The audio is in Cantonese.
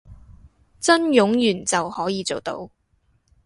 真冗員就可以做到